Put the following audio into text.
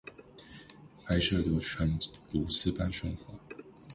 拍摄流程如丝般顺滑